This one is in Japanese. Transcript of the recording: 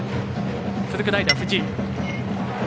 続く代打、藤井。